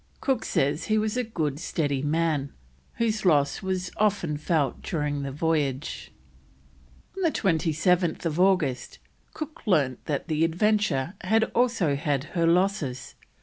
Cook says he was a good, steady man, whose loss was often felt during the voyage. On 27th August Cook learnt that the Adventure had also had her losses.